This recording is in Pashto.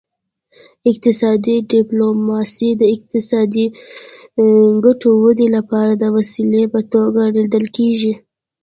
اقتصادي ډیپلوماسي د اقتصادي ګټو ودې لپاره د وسیلې په توګه لیدل کیږي